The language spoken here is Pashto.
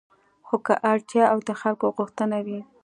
خو که اړتیا او د خلکو غوښتنه وي